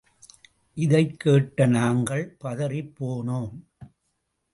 இதைக் கேட்ட நாங்கள் பதறிப்போனோம்.